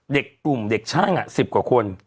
เด็กกลุ่มเด็กช่าง๑๐กว่าคน